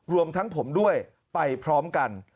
รวมทั้งผมด้วยไปพร้อมกัน